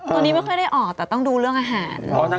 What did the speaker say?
ตัวนี้ไม่ค่อยได้ออกแต่ต้องดูเรื่องอาหาร